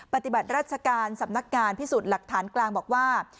ปฏิบัติราชการสำนักงานพิสูจน์หลักฐานกลางบอกว่า